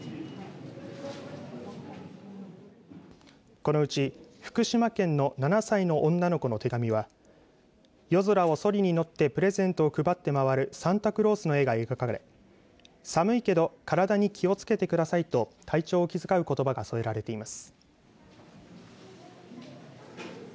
このうち福島県の７歳の女の子の手紙は夜空をそりに乗ってプレゼントを配って回るサンタクロースの絵が描かれ寒いけど体に気をつけてくださいと体調を気遣う言葉が添えられています。